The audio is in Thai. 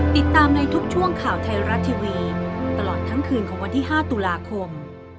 ติดตามในทุกช่วงข่าวไทยรัฐทีวีตลอดทั้งคืนของวันที่๕ตุลาคม